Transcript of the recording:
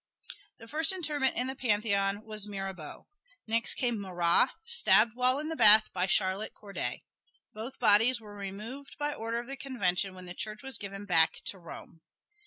The first interment in the Pantheon was Mirabeau. Next came Marat stabbed while in the bath by Charlotte Corday. Both bodies were removed by order of the Convention when the church was given back to Rome.